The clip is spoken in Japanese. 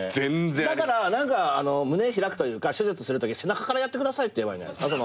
だから何か胸開くというか手術するとき背中からやってくださいって言えばいいんじゃないっすか。